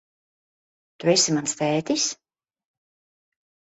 Tu esi mans tētis?